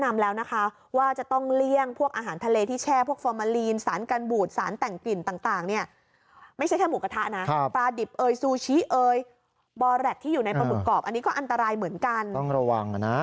ไม่ใช่แค่หมูกระทะนาปลาดิบเออซูชี้เออยอีกบรบที่อยู่ในปลาหมึกกรอบอันนี้ก็อันตรายเหมือนกันต้องระวังนะ